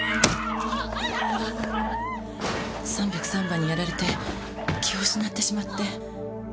３０３番にやられて気を失ってしまって。